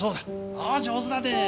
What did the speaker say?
ああ上手だねぇ。